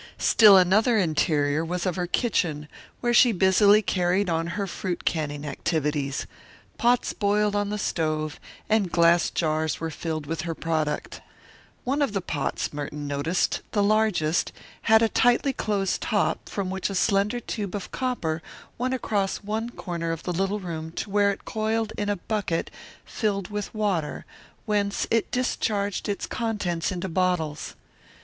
Still another interior was of her kitchen where she busily carried on her fruit canning activities. Pots boiled on the stove and glass jars were filled with her product. One of the pots, Merton noticed, the largest, had a tightly closed top from which a slender tube of copper went across one corner of the little room to where it coiled in a bucket filled with water, whence it discharged its contents into bottles.